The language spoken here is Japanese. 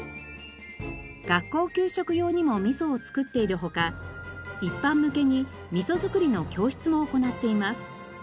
学校給食用にもみそをつくっている他一般向けにみそづくりの教室も行っています。